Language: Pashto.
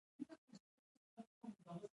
افغانستان په بادي انرژي باندې تکیه لري.